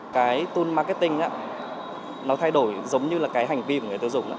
cái tool marketing nó thay đổi giống như là cái hành vi của người tiêu dụng